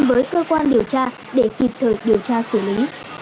với cơ quan điều tra để kịp thời điều tra xử lý